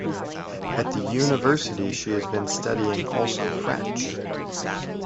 At the university she has been studying also French.